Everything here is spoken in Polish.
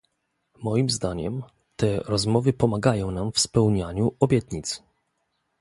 Moim zdaniem, te rozmowy pomagają nam w spełnianiu obietnic